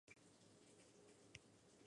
Además, la mitad de la audiencia era femenina.